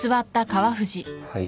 はい。